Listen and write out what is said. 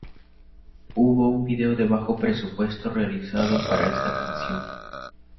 Hubo un vídeo de bajo presupuesto realizado para esta canción.